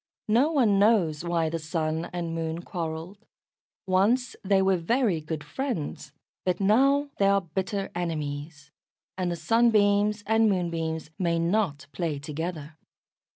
No one knows why the Sun and Moon quarrelled. Once they were very good friends. But now they are bitter enemies, and the Sunbeams and Moonbeams may not play together.